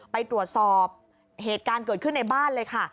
ไปตรวจสอบเหตุการณ์เกิดขึ้นในบ้านเลยค่ะ